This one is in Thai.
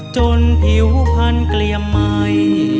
จนผิวพันเกลี่ยมใหม่